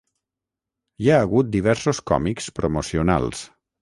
Hi ha hagut diversos còmics promocionals.